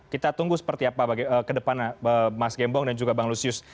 kita tunggu seperti apa ke depan mas gembong dan juga bang lusius